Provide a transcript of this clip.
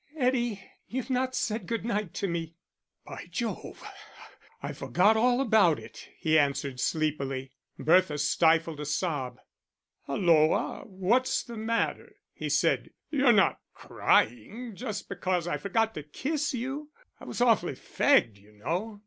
"Eddie, you've not said good night to me." "By Jove, I forgot all about it," he answered, sleepily. Bertha stifled a sob. "Hulloa, what's the matter?" he said. "You're not crying just because I forgot to kiss you I was awfully fagged, you know."